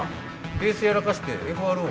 ベース柔らかしてＦ．Ｒ．Ｏ